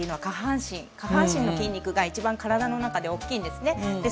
下半身の筋肉が一番体の中で大きいんですね。